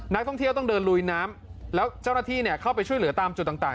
นักท่องเที่ยวต้องเดินลุยน้ำแล้วเจ้าหน้าที่เข้าไปช่วยเหลือตามจุดต่าง